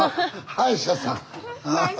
歯医者さん。